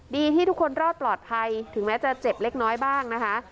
ดีที่ทุกคนรอดปลอดภัยถึงแม้จะเจ็บเล็กน้อยบ้างนะคะ